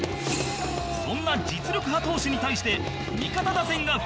そんな実力派投手に対して味方打線が奮起する！